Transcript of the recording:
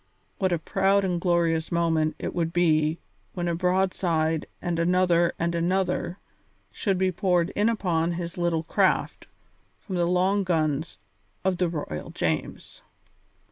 What a proud and glorious moment it would be when a broadside and another and another should be poured in upon his little craft from the long guns of the Royal James.